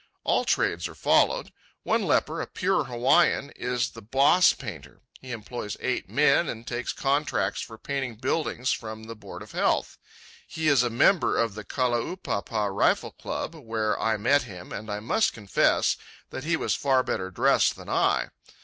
All trades are followed. One leper, a pure Hawaiian, is the boss painter. He employs eight men, and takes contracts for painting buildings from the Board of Health. He is a member of the Kalaupapa Rifle Club, where I met him, and I must confess that he was far better dressed than I.